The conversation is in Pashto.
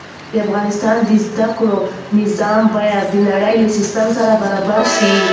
د افغانستان د زده کړې نظام باید د نړۍ له سيستم سره برابر شي.